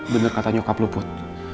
bener kata nyokap lu put